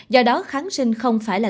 do đó kháng sinh không phải là